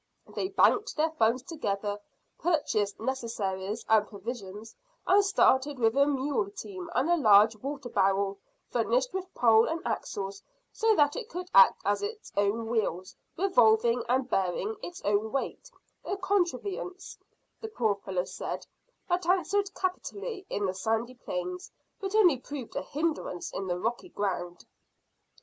They banked their funds together, purchased necessaries and provisions, and started with a mule team and a large water barrel furnished with pole and axles so that it should act as its own wheels, revolving and bearing its own weight a contrivance, the poor fellow said, that answered capitally in the sandy plains, but only proved a hindrance in the rocky ground."